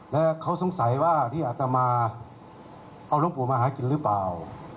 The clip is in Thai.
และเขาสงสัยว่าที่อัตมาเอาหลวงปู่มาหากินหรือเปล่า